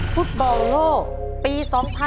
ฟุตเบาโลกปี๒๐๑๘